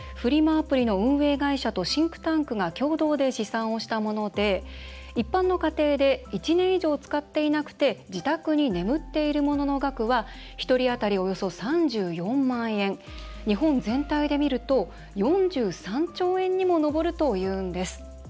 アプリの運営会社とシンクタンクが共同で試算をしたもので一般の家庭で１年以上使っていなくて自宅に眠っているものの額は一人あたり、およそ３４万円日本全体で見ると４３兆円にも上るというんです。